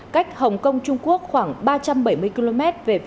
cách hồng kông trung quốc khoảng ba trăm bảy mươi km